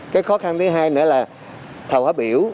cái khó khăn thứ hai nữa là thầu phát biểu